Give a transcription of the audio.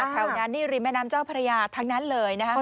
แถวนั้นนี่ริมแม่น้ำเจ้าพระยาทั้งนั้นเลยนะคะ